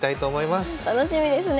楽しみですね。